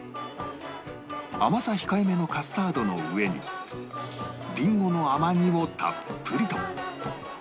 甘さ控えめのカスタードの上にりんごの甘煮をたっぷりと